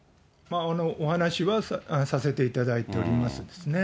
お話はさせていただいておりますですね。